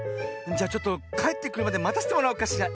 じゃちょっとかえってくるまでまたせてもらおうかしら。